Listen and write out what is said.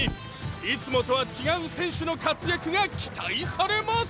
いつもとは違う選手の活躍が期待されます！